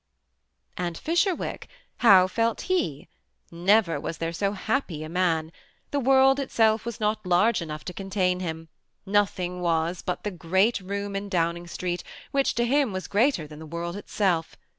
And Fisherwick I how felt he ? Never was there so happj a man ; the world was not large enough to con tain him, nothing was bat the great room in Downing Street, which to him was greater than the world itself.